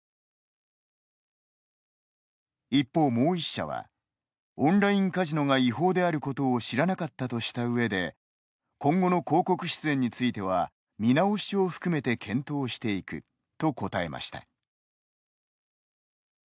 一方、もう一社はオンラインカジノが違法であることを知らなかったとしたうえで「今後の広告出演については見直しを含めて検討していく」と答えました。